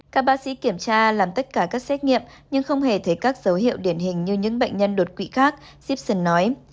các bác sĩ kiểm tra làm tất cả các xét nghiệm nhưng không hề thấy các dấu hiệu điển hình như những bệnh nhân đột quỵ khác sipion nói